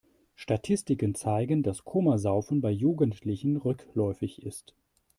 Statistiken zeigen, dass Komasaufen bei Jugendlichen rückläufig ist.